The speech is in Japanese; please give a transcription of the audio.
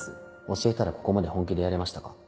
教えたらここまで本気でやりましたか？